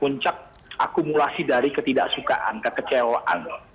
puncak akumulasi dari ketidaksukaan kekecewaan